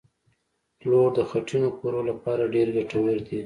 پلوړ د خټینو کورو لپاره ډېر ګټور دي